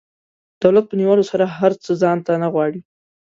دولت په نیولو سره هر څه ځان ته نه غواړي.